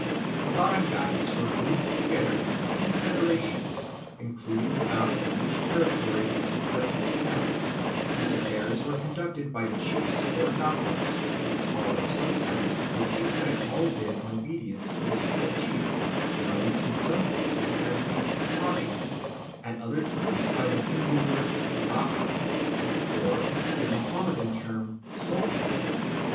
The barangays were grouped together in tiny federa tions including about as much territory as the present towns, whose affairs were conducted by the chiefs or datos, although sometimes they seem to have all been in obedience to a single chief, known in some places as the "hari," at other times by the Hindu word "raja," or the Mohammedan term "sultan."